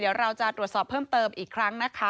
เดี๋ยวเราจะตรวจสอบเพิ่มเติมอีกครั้งนะคะ